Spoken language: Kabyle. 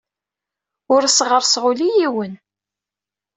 Ur as-ɣerrseɣ ula i yiwen.